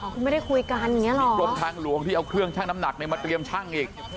อ๋อคุณไม่ได้คุยกันอย่างนี้เหรอมีบริษัททางหลวงที่เอาเครื่องช่างน้ำหนักมาเตรียมช่างอีก